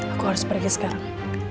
aku harus pergi sekarang